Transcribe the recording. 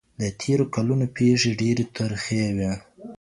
د تېرو کلونو پېښې ډېرې ترخې وې.